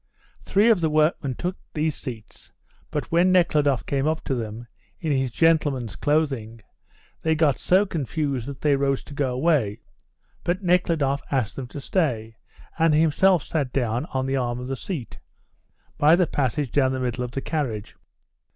Three of the workmen took these seats, but when Nekhludoff came up to them, in his gentleman's clothing, they got so confused that they rose to go away, but Nekhludoff asked them to stay, and himself sat down on the arm of the seat, by the passage down the middle of the carriage.